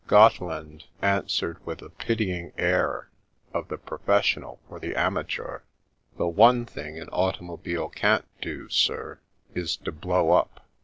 Gotteland answered with the pitying air of the professional for the amateur. " The one thing an automobile can't do, sir, is to blow up."